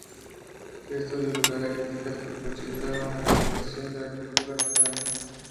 Esto dio lugar a críticas que lo consideraron una explotación de la cultura gitana.